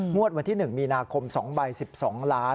วันที่๑มีนาคม๒ใบ๑๒ล้าน